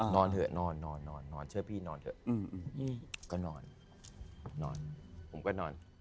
เถอะนอนนอนเชื่อพี่นอนเถอะก็นอนนอนผมก็นอน